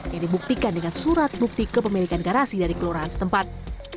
yang dibuktikan dengan surat bukti kepemilikan garasi dari kelurahan setempat